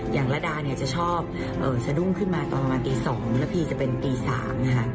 อย่างระดาเนี่ยจะชอบสะดุ้งขึ้นมาตอนประมาณตี๒แล้วพี่จะเป็นตี๓นะคะ